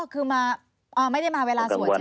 คือไม่ได้มาเวลาสวดใช่ไหม